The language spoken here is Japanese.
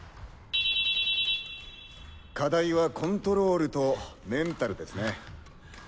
課題はコントロールとメンタルですね。